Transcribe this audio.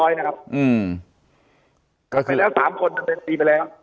วันนั้นสามคนไล่ตามนี้